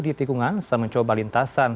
di tikungan saat mencoba lintasan